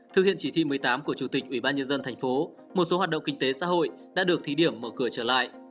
thực hiện chỉ thị một mươi tám của chủ tịch ubnd tp hcm một số hoạt động kinh tế xã hội đã được thí điểm mở cửa trở lại